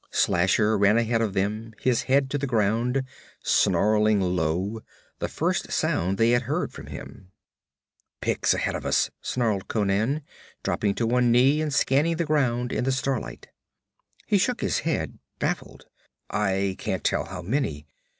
Slasher ran ahead of them, his head to the ground, snarling low, the first sound they had heard from him. 'Picts ahead of us!' snarled Conan, dropping to one knee and scanning the ground in the starlight. He shook his head, baffled. 'I can't tell how many.